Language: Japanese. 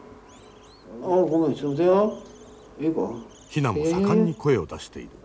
ヒナも盛んに声を出している。